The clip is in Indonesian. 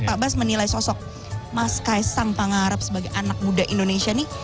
pak bas menilai sosok mas kaisang pangarep sebagai anak muda indonesia nih